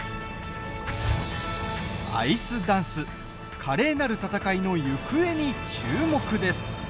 アイスダンス華麗なる戦いの行方に注目です。